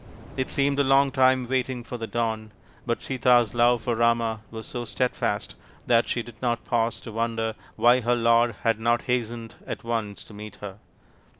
It seemed a long time waiting for the dawn ; but Sita's love for Rama was so steadfast that she did not pause to wonder why her lord had not hastened at once to meet her.